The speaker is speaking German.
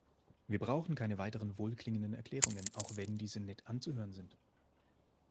Wir brauchen keine weiteren wohlklingenden Erklärungen, auch wenn diese nett anzuhören sind.